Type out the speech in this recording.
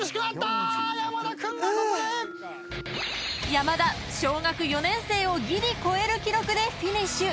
［山田小学４年生をギリ超える記録でフィニッシュ］